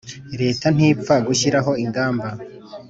Leta ntipfa gushyiraho ingamba